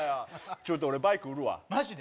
ちょっと俺バイク売るわマジで？